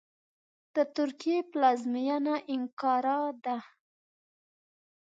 د ترکیې پلازمېنه انکارا ده .